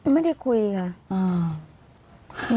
ไม่ได้คุยอีก